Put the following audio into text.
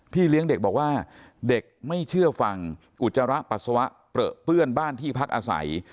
เลี้ยงเด็กบอกว่าเด็กไม่เชื่อฟังอุจจาระปัสสาวะเปลือเปื้อนบ้านที่พักอาศัย